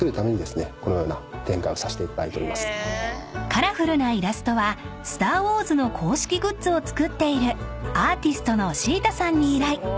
［カラフルなイラストは『スター・ウォーズ』の公式グッズを作っているアーティストのＳＨＥＴＡさんに依頼］